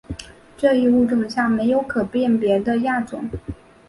这一物种下没有可辨识的亚种。